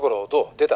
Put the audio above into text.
出た？」